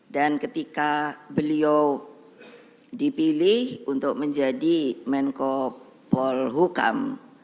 dan ketika beliau dipilih untuk menjadi menko polhukam